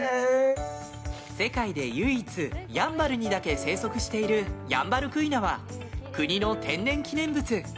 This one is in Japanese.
世界で唯一やんばるにだけ生息しているヤンバルクイナは国の天然記念物。